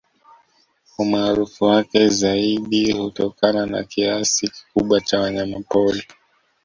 Umaarufu wake zaidi hutokana na kiasi kikubwa cha wanyamapori